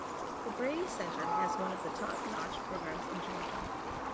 The Brady Center has one of the top-notch programs in Georgia.